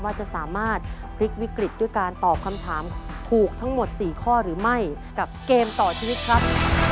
ว่าจะสามารถพลิกวิกฤตด้วยการตอบคำถามถูกทั้งหมด๔ข้อหรือไม่กับเกมต่อชีวิตครับ